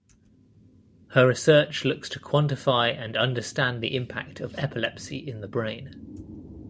Her research looks to quantify and understand the impact of epilepsy in the brain.